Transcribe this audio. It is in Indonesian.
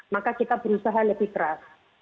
maka kita berusaha lebih keras